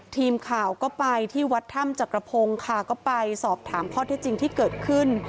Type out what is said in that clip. ทีมข่าวก็ไปที่วัดถ้ำจักรพงศ์ค่ะก็ไปสอบถามข้อเท็จจริงที่เกิดขึ้น